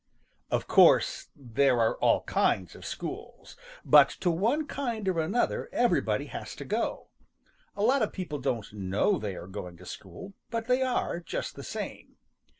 = |OF course there are all kinds of schools, but to one kind or another everybody has to go. A lot of people don't know they are going to school, but they are, just the same.